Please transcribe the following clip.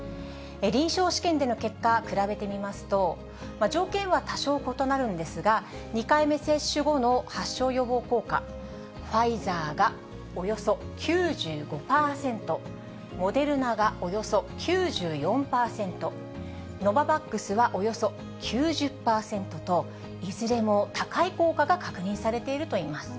臨床試験での結果、比べてみますと、条件は多少異なるんですが、２回目接種後の発症予防効果、ファイザーがおよそ９５％、モデルナがおよそ９４％、ノババックスはおよそ９０％と、いずれも高い効果が確認されているといいます。